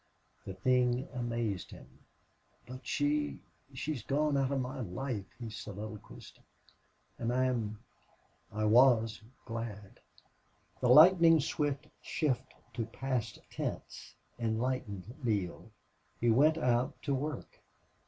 The thing amazed him. "But she she's gone out of my life," he soliloquized. "And I am I was glad!" The lightning swift shift to past tense enlightened Neale. He went out to work.